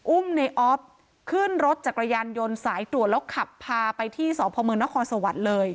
อุ้มในออฟขึ้นรถจักรยานยนต์สายตรวจแล้วขับพาไปที่สพมนครสวรรค์เลย